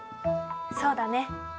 そうだね。